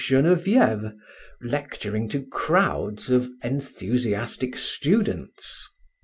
Généviève, lecturing to crowds of enthusiastic students.